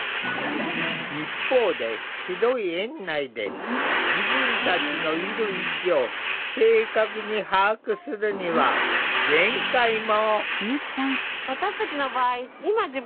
一方で広い園内で自分たちのいる位置を正確に把握するには限界も。